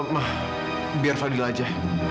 ma biar fadil aja